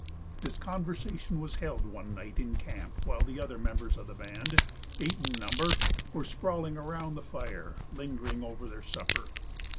This conversation was held one night in camp while the other members of the band eight in number were sprawling around the fire, lingering over their supper.